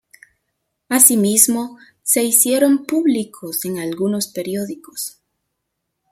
Asimismo se hicieron públicos en algunos periódicos.